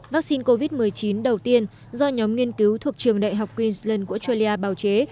vắc xin covid một mươi chín đầu tiên do nhóm nghiên cứu thuộc trường đại học queensland của australia bào chế